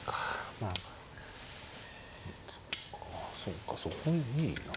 まあそっかそうかそこいいな。